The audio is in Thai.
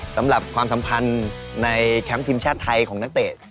ความสัมพันธ์ในแคมป์ทีมชาติไทยของนักเตะ